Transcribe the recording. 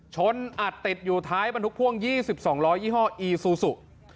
ชนอัดติดอยู่ท้ายบรรทุกพ่วง๒๒๐๐ยี่ห้ออีซูซู